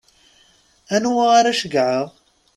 Anwa ara ceggɛeɣ?